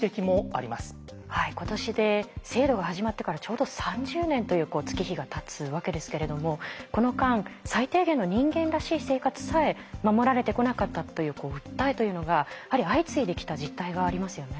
はい今年で制度が始まってからちょうど３０年という月日がたつわけですけれどもこの間最低限の人間らしい生活さえ守られてこなかったという訴えというのが相次いできた実態がありますよね。